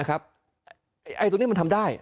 ตัวนี้มันทำได้